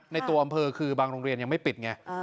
ในตัวอำเภอคือบางโรงเรียนยังไม่ปิดไง